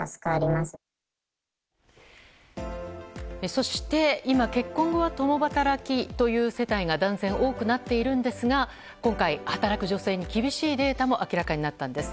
そして、今結婚後は共働きという世帯が男性は多くなっているんですが今回、働く女性に厳しいデータも明らかになったんです。